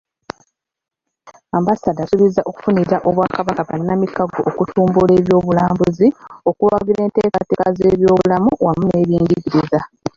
Ambasada asuubizza okufunira Obwakabaka bannamikago okutumbula ebyobulambuzi, okuwagira enteekateeka z'ebyobulamu wamu n'ebyenjigiriza.